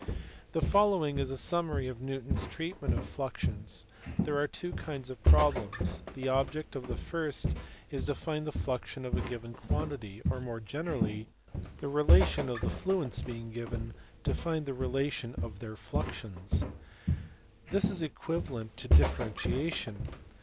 The following is a summary of Newton s treatment of fluxions. There are two kinds of problems. The object of the first is to find the fluxion of a given quantity, or more generally "the relation of the fluents being given, to find the relation of their fluxions.^ This is equivalent to differentiation.